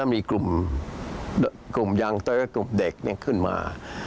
มีกลุ่มยังเตอร์กลุ่มเด็กเนี่ยขึ้นมา